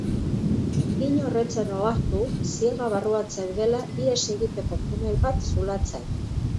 Inor ez zen ohartu ziega barruan zeudela, ihes egiteko tunel bat zulatzen.